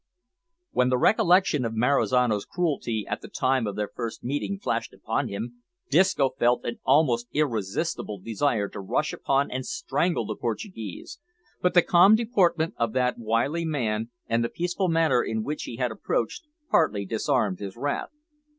When the recollection of Marizano's cruelty at the time of their first meeting flashed upon him, Disco felt an almost irresistible desire to rush upon and strangle the Portuguese, but the calm deportment of that wily man, and the peaceful manner in which he had approached, partly disarmed his wrath.